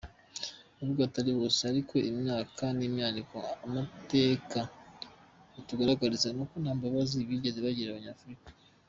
Nubwo atari bose, ariko imyaka nimyaniko, amateka atugaragariza ko ntambabazi bigeze bagirira abanyafrica.